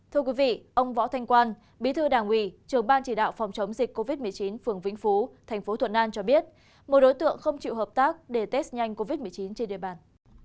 thưa quý vị ông võ thanh quan bí thư đảng ủy trưởng ban chỉ đạo phòng chống dịch covid một mươi chín phường vĩnh phú thành phố thuận an cho biết một đối tượng không chịu hợp tác để test nhanh covid một mươi chín trên địa bàn